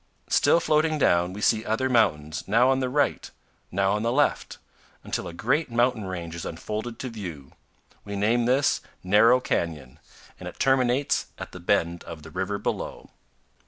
Still floating down, we see other mountains, now on the right, now on the left, until a great mountain range is unfolded to view. We name this Narrow Canyon, and it terminates at the bend of the river below.